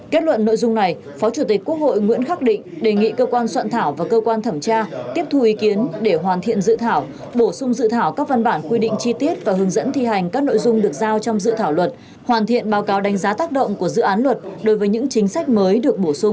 kết luận nội dung này phó chủ tịch quốc hội nguyễn khắc định đề nghị cơ quan soạn thảo và cơ quan thẩm tra tiếp thu ý kiến để hoàn thiện dự thảo bổ sung dự thảo các văn bản quy định chi tiết và hướng dẫn thi hành các nội dung được giao trong dự thảo luật hoàn thiện báo cáo đánh giá tác động của dự án luật đối với những chính sách mới được bổ sung